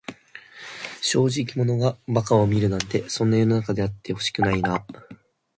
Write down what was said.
正直者が馬鹿を見るなんて、そんな世の中であってほしくないな。